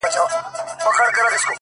پوهېږم نه” يو داسې بله هم سته”